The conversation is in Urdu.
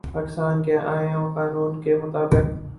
پاکستان کے آئین و قانون کے مطابق